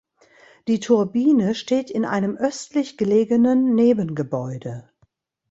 Die Turbine steht in einem östlich gelegenen Nebengebäude.